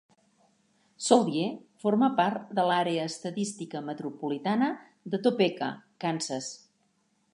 Soldier forma part de l'àrea estadística metropolitana de Topeka, Kansas.